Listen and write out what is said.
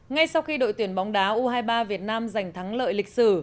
ngay sau khi đội tuyển bóng đá u hai mươi ba việt nam giành thắng lợi lịch sử